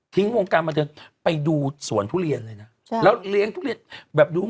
วงการบันเทิงไปดูสวนทุเรียนเลยนะใช่แล้วเลี้ยงทุเรียนแบบรุ้ง